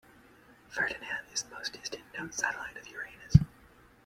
Ferdinand is the most distant known satellite of Uranus.